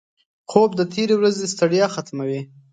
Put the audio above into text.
خوب د تېرې ورځې ستړیا ختموي